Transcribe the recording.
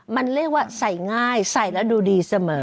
มันเรียกว่าใส่ง่ายใส่แล้วดูดีเสมอ